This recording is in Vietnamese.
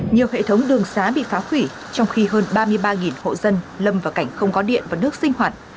nhiều hệ thống đường xá bị phá hủy trong khi hơn ba mươi ba hộ dân lâm vào cảnh không có điện và nước sinh hoạt